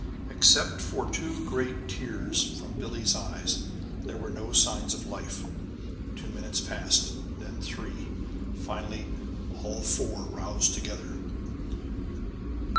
Except for two great tears from Billie's eyes, there were no signs of life. Two minutes passed, then three. Finally all four roused together.